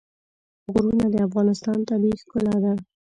غرونه د افغانستان طبیعي ښکلا ده.